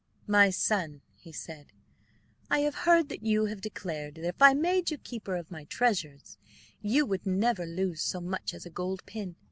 "My son," he said, "I have heard that you have declared that if I made you keeper of my treasures you would never lose so much as a gold pin.